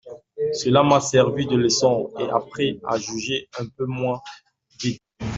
Cela m’a servi de leçon et appris à juger un peu moins vite.